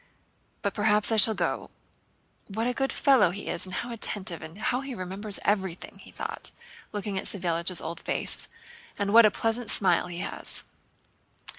But perhaps I shall go. What a good fellow he is and how attentive, and how he remembers everything," he thought, looking at Savélich's old face, "and what a pleasant smile he has!"